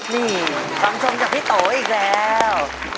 นี่ฟังชมจากพี่โตอีกแล้ว